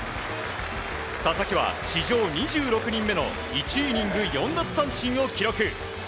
佐々木は史上２６人目の１イニング４奪三振を記録。